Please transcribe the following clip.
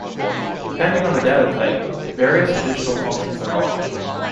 Depending on the data type, various additional functions are offered.